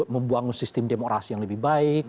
membangun sistem demokrasi yang lebih baik